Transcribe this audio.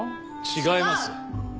違います。